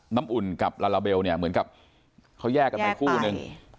น้ำอุ่นกับลาลาเบลเนี่ยเหมือนกับเขาแยกกันไปคู่นึง